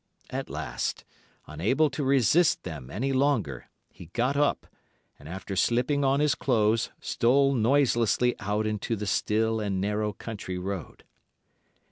At last, unable to resist them any longer, he got up, and after slipping on his clothes, stole noiselessly out into the still and narrow country road.